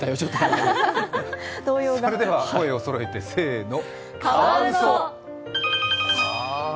それでは声をそろえてかわうそ。